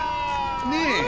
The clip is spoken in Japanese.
ねえ⁉